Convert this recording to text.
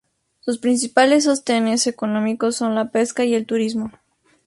Sus principales sostenes económicos son la pesca y el turismo.